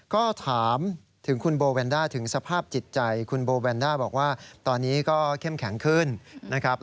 ก็ถามถึงคุณโบแวนด้าถึงสภาพจิตใจคุณโบแวนด้าบอกว่าตอนนี้ก็เข้มแข็งขึ้นนะครับ